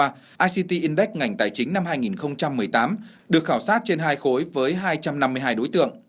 năm hai nghìn một mươi tám là ict index ngành tài chính năm hai nghìn một mươi tám được khảo sát trên hai khối với hai trăm năm mươi hai đối tượng